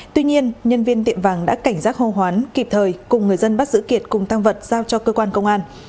tuy nhiên nhân viên tiệm vàng đã cảnh giác hô hoán kịp thời cùng người dân bắt giữ kiệt cùng tăng vật giao cho cơ quan công an